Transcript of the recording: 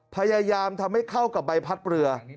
พยายามทำให้เข้ากับใบพัดเรือ